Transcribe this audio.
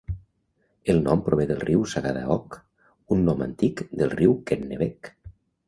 El nom prové del "riu Sagadahoc", un nom antic del riu Kennebec.